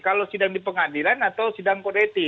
kalau sidang di pengadilan atau sidang kodetik